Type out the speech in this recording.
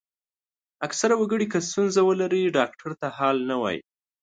اکثره وګړي که ستونزه ولري ډاکټر ته حال نه وايي.